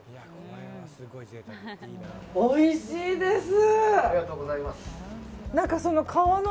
おいしいです！